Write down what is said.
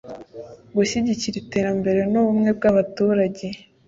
gushyigikira iterambere n’ubumwe by’abaturage